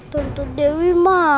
tante dewi marah